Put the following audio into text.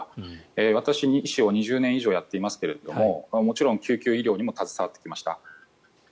私、医師を２０年以上やっていますがもちろん救急医療にも携わってきました。